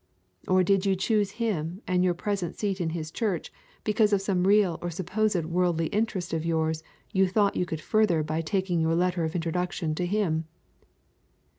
Or did you choose him and your present seat in his church because of some real or supposed worldly interest of yours you thought you could further by taking your letter of introduction to him?